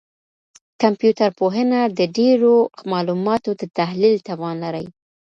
کمپيوټر پوهنه د ډېرو معلوماتو د تحلیل توان لري.